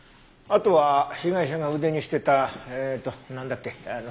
あとは被害者が腕にしてたえーっとなんだっけ？